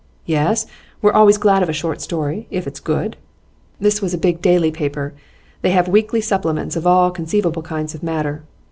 "Yes, we're always glad of a short story, if it's good." This was a big daily paper; they have weekly supplements of all conceivable kinds of matter.